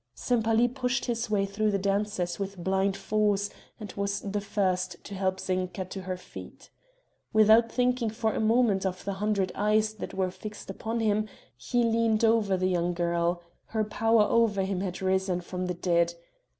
Sempaly pushed his way through the dancers with blind force and was the first to help Zinka to her feet. Without thinking for a moment of the hundred eyes that were fixed upon him he leaned over the young girl her power over him had risen from the dead.